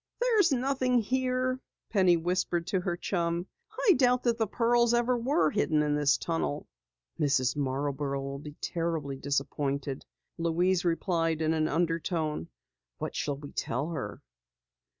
"There's nothing here," Penny whispered to her chum. "I doubt that the pearls ever were hidden in this tunnel." "Mrs. Marborough will be terribly disappointed," Louise replied in an undertone. "What shall we tell her?"